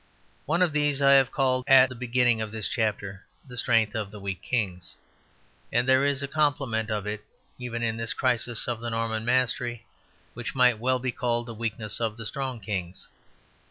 One of these I have called at the beginning of this chapter the strength of the weak kings. And there is a complement of it, even in this crisis of the Norman mastery, which might well be called the weakness of the strong kings.